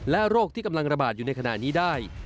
โรคที่กำลังระบาดอยู่ในขณะนี้ได้